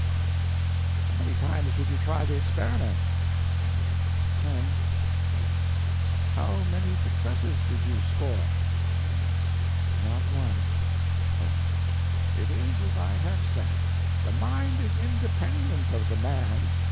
O.M. How many times did you try the experiment? Y.M. Ten. O.M. How many successes did you score? Y.M. Not one. O.M. It is as I have said: the mind is independent of the man.